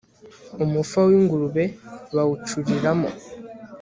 Umufa wingurube bawucuriramo